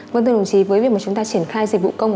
vâng thưa đồng chí với việc mà chúng ta triển khai dịch vụ công